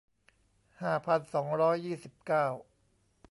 ห้าพันสองร้อยยี่สิบเก้า